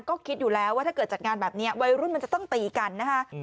ก็คิดอยู่แล้วว่าถ้าเกิดจัดงานแบบนี้วัยรุ่นมันจะต้องตีกันนะคะ